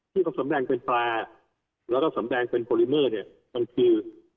ที่เขาสำแดงเป็นปลาแล้วก็สำแดงเป็นโปรลิเมอร์เนี่ยบางที